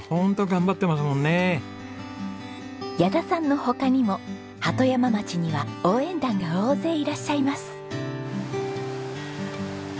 矢田さんの他にも鳩山町には応援団が大勢いらっしゃいます。